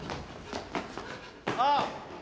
あっ。